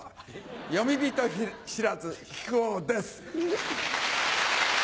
よみ人しらず木久扇です。